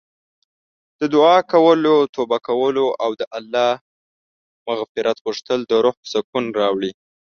د دعا کولو، توبه کولو او د الله مغفرت غوښتل د روح سکون راوړي.